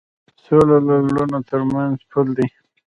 سوله د زړونو تر منځ پُل دی.